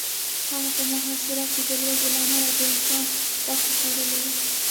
هغه په محاصره کې د لوږې له امله د انسان غوښه خوړلې وه